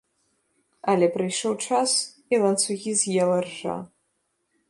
Але прыйшоў час, і ланцугі з'ела ржа.